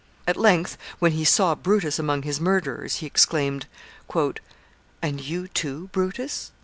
At length, when he saw Brutus among his murderers, he exclaimed, "And you too, Brutus?"